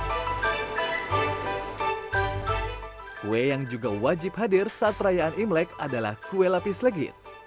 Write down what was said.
warna kue ini juga wajib hadir saat perayaan imlek adalah kue lapis legit